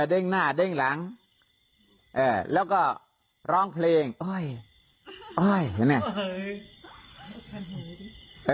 เออเด้งหน้าเด้งหลังเออแล้วก็ร้องเพลงอ้อยอ้อยอะไรแบบนี้